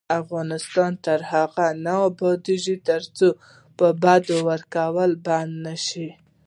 افغانستان تر هغو نه ابادیږي، ترڅو بدی ورکول بند نشي.